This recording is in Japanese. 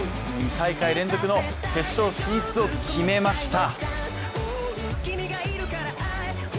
２大会連続の決勝進出を決めました。